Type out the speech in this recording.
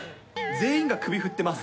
全員が首振ってます。